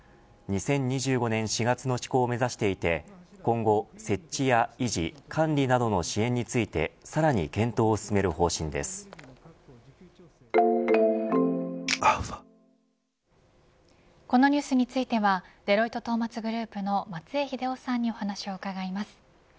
２０２５年４月の施行を目指していて今後、設置や維持管理などの支援についてこのニュースについてはデロイトトーマツグループの松江英夫さんにお話を伺います。